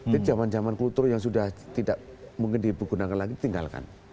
jadi zaman zaman kultur yang sudah tidak mungkin digunakan lagi tinggalkan